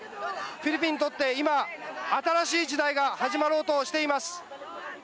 フィリピンにとって今、新しい時代が始まろうとしています。